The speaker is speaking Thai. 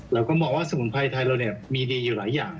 เราก็มองว่าสมุนไพรไทยเรามีดีอยู่หลายอย่าง